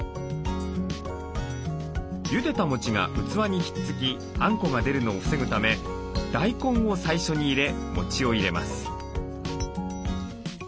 ゆでたもちが器に引っつきあんこが出るのを防ぐため大根を最初に入れもちを入れます。